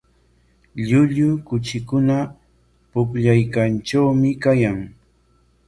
Llullu kuchikuna pukllaykatraykaayan.